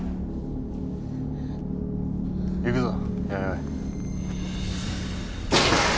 行くぞ弥生。